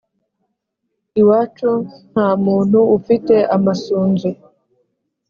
«iwacu nta muntu ufite amasunzu,